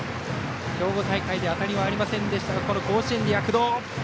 兵庫大会で当たりはありませんでしたが甲子園で躍動。